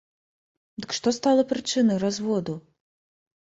Дык што стала прычынай разводу?